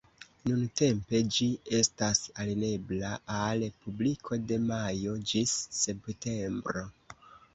Nuntempe ĝi estas alirebla al publiko de majo ĝis septembro.